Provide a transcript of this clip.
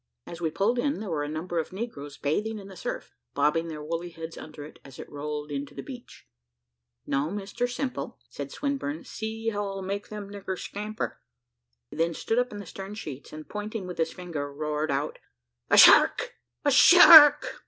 As we pulled in, there were a number of negroes bathing in the surf, bobbing their woolly heads under it, as it rolled into the beach. "Now, Mr Simple," said Swinburne "see how I'll make them niggers scamper." He then stood up in the stern sheets, and pointing with his finger, roared out, "A shark! a shark!"